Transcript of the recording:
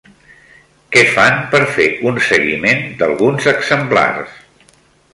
Què fan per fer un seguiment d'alguns exemplars?